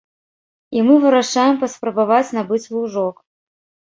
І мы вырашаем паспрабаваць набыць лужок.